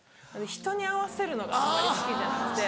人に合わせるのがあんまり好きじゃなくて。